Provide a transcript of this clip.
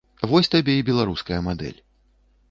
Вось табе і беларуская мадэль.